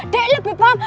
dek lebih paham